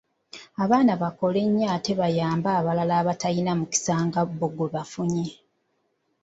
Abaana bakole nnyo ate bayambe abalala abatalina mukisa nga bo gwe bafunye.